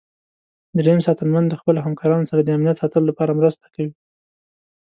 دریم ساتنمن د خپلو همکارانو سره د امنیت ساتلو لپاره مرسته کوي.